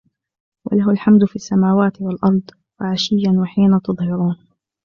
وَلَهُ الْحَمْدُ فِي السَّمَاوَاتِ وَالْأَرْضِ وَعَشِيًّا وَحِينَ تُظْهِرُونَ